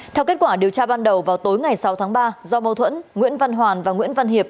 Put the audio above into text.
theo kết quả điều tra ban đầu vào tối ngày sáu tháng ba do mâu thuẫn nguyễn văn hoàn và nguyễn văn hiệp